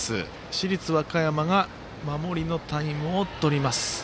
市立和歌山が守りのタイムをとります。